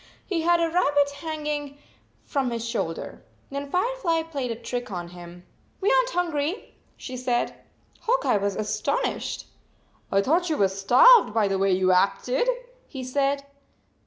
He had a rabbit hanging from 58 his shoulder. Then Firefly played a trick on him. " We aren t hungry," she said. Hawk Eye was astonished. " I thought you were starved by the way you acted," he said.